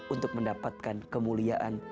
untuk mendapatkan kemuliaan